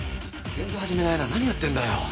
全然始めないな何やってんだよ。